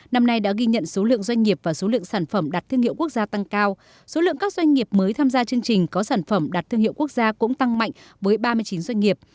năm nay đã ghi nhận số lượng doanh nghiệp và số lượng sản phẩm đặt thương hiệu quốc gia tăng cao số lượng các doanh nghiệp mới tham gia chương trình có sản phẩm đặt thương hiệu quốc gia cũng tăng mạnh với ba mươi chín doanh nghiệp